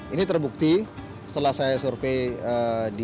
ini terbukti setelah berangkat lebih pagi mereka akan berangkat lebih pagi